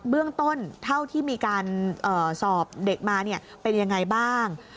เบื้องต้นเท่าที่มีการสอบเด็กมาเป็นยังไงบ้าง